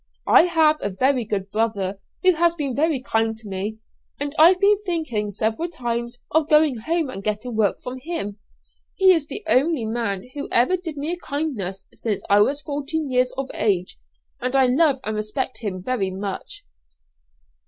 I have a very good brother, who has been very kind to me, and I've been thinking several times of going home and getting work from him. He is the only man who ever did me a kindness since I was fourteen years of age, and I love and respect him very much."